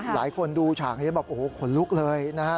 หลายคนดูฉากนี้แบบโอ้โหขนลุกเลยนะฮะ